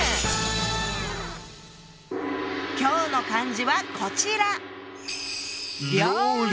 今日の漢字はこちら！